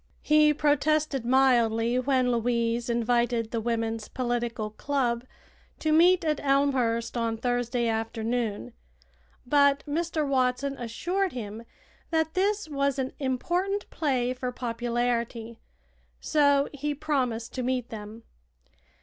He protested mildly when Louise invited the Women's Political Club to meet at Elmhurst on Thursday afternoon, but Mr. Watson assured him that this was an important play for popularity, so he promised to meet them.